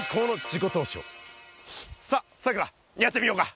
さっさくらやってみようか。